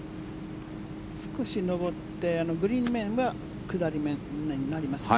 少し上ってグリーン面は下りになりますね。